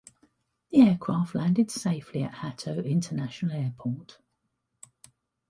The aircraft landed safely at Hato International Airport.